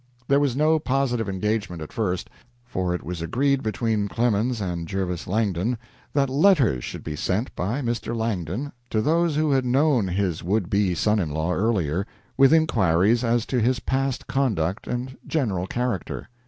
There was no positive engagement at first, for it was agreed between Clemens and Jervis Langdon that letters should be sent by Mr. Langdon to those who had known his would be son in law earlier, with inquiries as to his past conduct and general character.